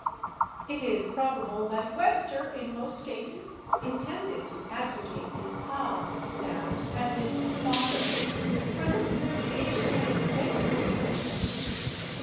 It is probable that Webster, in most cases, intended to advocate the /ah/ sound, as in /father/, for this pronunciation now prevails in New England.